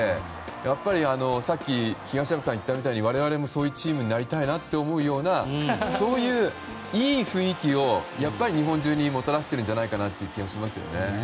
やっぱりさっき東山さんが言ったみたいに我々もそういうチームになりたいなと思うようなそういう、いい雰囲気を日本中にもたらしてるんじゃないかって気がしますよね。